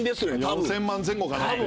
４０００万前後かなっていう。